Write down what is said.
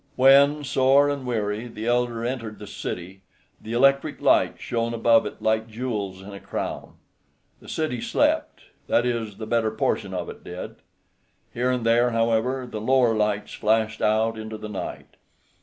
When, sore and weary, the elder entered the city, the electric lights shone above it like jewels in a crown. The city slept; that is, the better portion of it did. Here and there, however, the lower lights flashed out into the night.